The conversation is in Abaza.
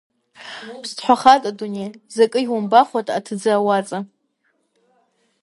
Пстхӏвахатӏ адуней, закӏы йымбахуата атдзы ауацӏа.